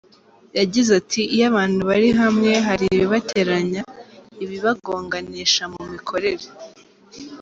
Yagize ati “Iyo abantu bari hamwe hari ibibateranya, ibibagonganisha mu mikorere.